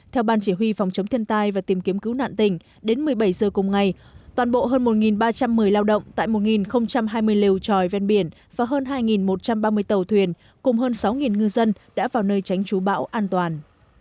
theo ban chỉ huy phòng chống thiên tai và tìm kiếm cứu nạn tỉnh đến một mươi bảy giờ cùng ngày toàn bộ hơn một ba trăm một mươi lao động tại một hai mươi liều tròi ven biển và hơn hai một trăm ba mươi tàu thuyền cùng hơn sáu ngư dân đã vào nơi tránh trú bão an toàn